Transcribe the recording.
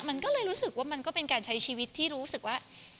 มันก็เลยรู้สึกว่ามันก็เป็นการใช้ชีวิตที่รู้สึกว่า